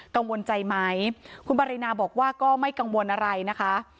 กังวลใจไหมคุณปรินาบอกว่าก็ไม่กังวลอะไรนะคะ